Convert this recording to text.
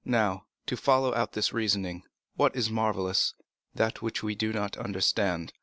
Now, to follow out this reasoning, what is the marvellous?—that which we do not understand.